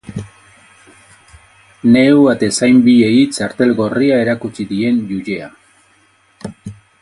Neu atezain biei txartel gorria erakutsi dien jujea.